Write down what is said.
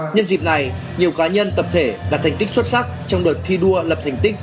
nhân dịp này nhiều cá nhân tập thể đạt thành tích xuất sắc trong đợt thi đua lập thành tích